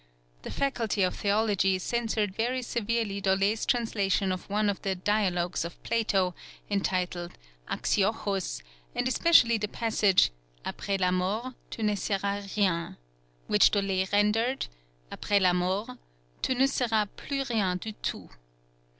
The Faculty of Theology censured very severely Dolet's translation of one of the Dialogues of Plato, entitled Axiochus, and especially the passage "Après la mort, tu ne seras rien," which Dolet rendered, "Après la mort, tu ne seras plus rien du tout."